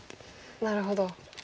なるほど。